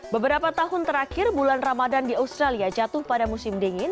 beberapa tahun terakhir bulan ramadan di australia jatuh pada musim dingin